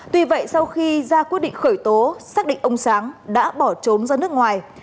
tuy vậy sau khi ra quyết định khởi tố xác định ông sáng đã bỏ trốn ra nước ngoài